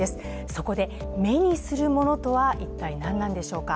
そこで目にするものとは一体、何なんでしょうか。